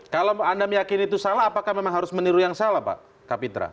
kalau anda meyakini itu salah apakah memang harus meniru yang salah pak kapitra